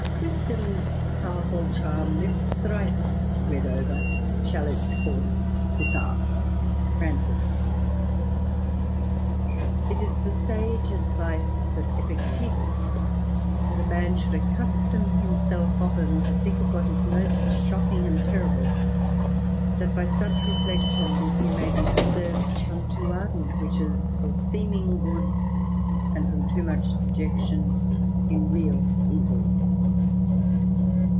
Wisdom's powerfiil charm. If thrice read over, shall its force disarm." F&ANdS. It is the sage advice of Epictetus, that a man should accustom himself often to think of what is most shocking and terrible, that by such reflections he may be preserved from too ardent wishes for seeming good, and from too much dejection in real evil.